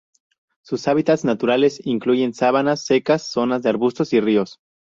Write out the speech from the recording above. Sus hábitats naturales incluyen sabanas secas, zonas de arbustos y ríos.